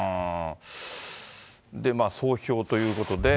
総評ということで。